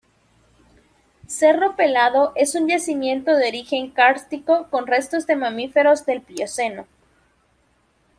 Cerro Pelado es un yacimiento de origen kárstico con restos de mamíferos del Plioceno.